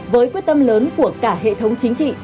với quyết tâm lớn của cả hệ thống chính trị